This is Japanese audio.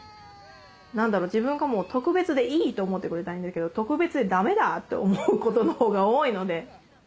何だろ自分がもう特別でいいって思ってくれたらいいんだけど特別でダメだって思うことの方が多いので。